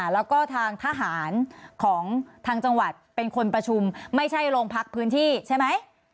แล้วก็ทางทหารของทางจังหวัดเป็นคนประชุมไม่ใช่โรงพักพื้นที่ใช่ไหม